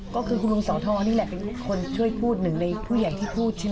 ก็คือคุณลุงสอทรนี่แหละเป็นคนช่วยพูดหนึ่งในผู้ใหญ่ที่พูดใช่ไหม